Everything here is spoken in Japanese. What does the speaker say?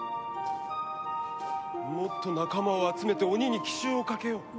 もっと仲間を集めて鬼に奇襲をかけよう。